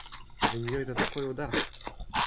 Для нее это такой удар!